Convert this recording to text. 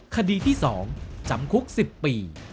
คดีที่๒จำคุก๑๐ปี